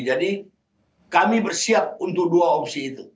jadi kami bersiap untuk dua opsi itu